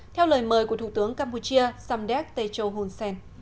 theo lời mời của thủ tướng campuchia samdek techo hun sen